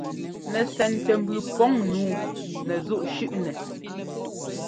Nɛsɛntɛmbʉʉ pɔŋ nǔu nɛzúꞌ shʉ́ꞌnɛ.